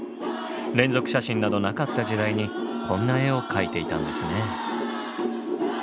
連続写真などなかった時代にこんな絵を描いていたんですね。